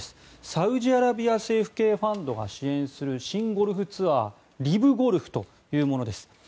サウジアラビア政府系ファンドが支援する新ゴルフツアーＬＩＶゴルフというものです。